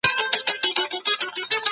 موږ پرون بازار ته ولاړو.